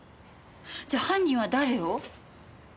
じゃあ犯人は誰を？